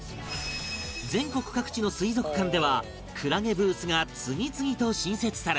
全国各地の水族館ではクラゲブースが次々と新設され